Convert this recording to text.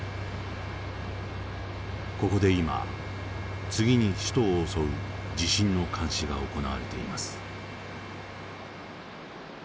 ここで今次に首都を襲う地震の監視が行われています。